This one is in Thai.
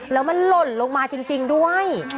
แล้วมันหล่นลงมาจริงด้วย